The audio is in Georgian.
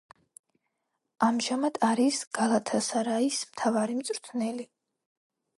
ამჟამად არის „გალათასარაის“ მთავარი მწვრთნელი.